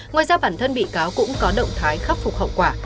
ngoài ra bản thân bị cáo cũng có động thái khắc phục hậu quả